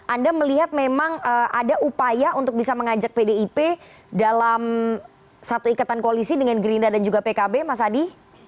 anda melihat memang ada upaya untuk bisa mengajak pdip dalam satu ikatan koalisi dengan gerindra dan juga pkb mas adi